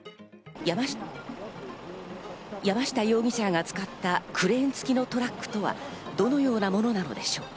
山下容疑者が使ったクレーンつきのトラックとはどのようなものなのでしょうか？